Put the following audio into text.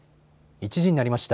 １時になりました。